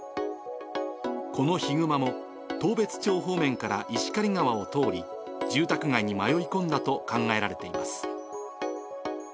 このヒグマも、当別町方面から石狩川を通り、住宅街に迷い込んだと考えられています。